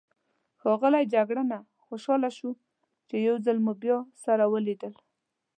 ښاغلی جګړنه، خوشحاله شوم چې یو ځلي مو بیا سره ولیدل.